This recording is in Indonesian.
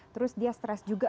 terus dia stress juga